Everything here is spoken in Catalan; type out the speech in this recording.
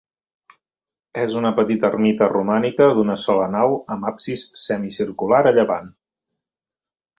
És una petita ermita romànica, d'una sola nau amb absis semicircular a llevant.